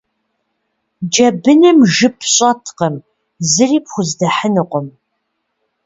Джэбыным жып щӏэткъым, зыри пхуздэхьынукъым.